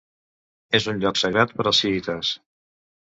És un lloc sagrat per als xiïtes.